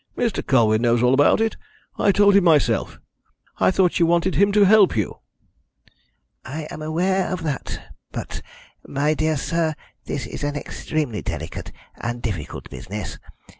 "Mr. Colwyn knows all about it I told him myself. I thought you wanted him to help you?" "I am aware of that, but, my dear sir, this is an extremely delicate and difficult business.